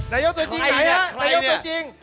นายกตัวจริงไหนนายกตัวจริง